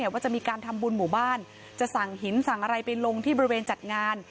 ว่าจะมีการทำบุญหมู่บ้านจะสั่งหินสั่งอะไรไปลงที่บริเวณจัดงาน